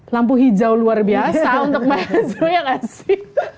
lampu hijau luar biasa untuk melewati suhu ya kan sih